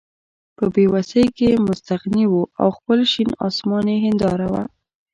په بې وسۍ کې مستغني وو او خپل شین اسمان یې هېنداره وه.